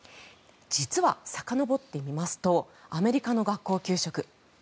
実はさかのぼってみますとアメリカの学校給食